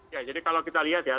ya jadi kalau kita lihat ya